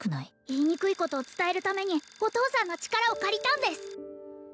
言いにくいことを伝えるためにお父さんの力を借りたんです